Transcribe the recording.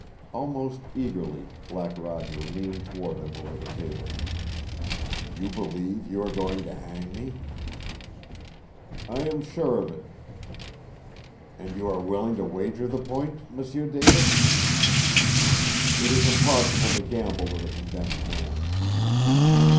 Almost eagerly Black Roger leaned toward him over the table. "You believe you are going to hang me?" "I am sure of it." "And you are willing to wager the point, M'sieu David?" "It is impossible to gamble with a condemned man."